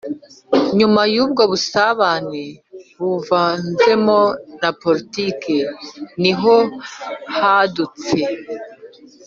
nyuma y'ubwo busabane buvanzemo politiki, ni ho hadutse